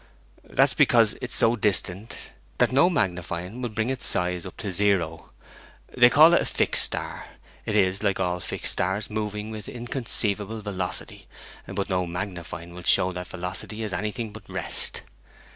'That's because it is so distant that no magnifying will bring its size up to zero. Though called a fixed star, it is, like all fixed stars, moving with inconceivable velocity; but no magnifying will show that velocity as anything but rest.'